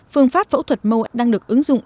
phương pháp phẫu thuật mô đang được ứng dụng